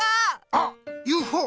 あっＵＦＯ！